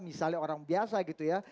misalnya orang biasa gitu ya